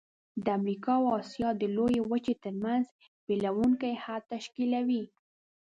د امریکا او آسیا د لویې وچې ترمنځ بیلوونکی حد تشکیلوي.